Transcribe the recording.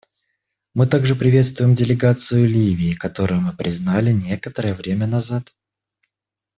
Мы также приветствуем делегацию Ливии, которую мы признали некоторое время назад.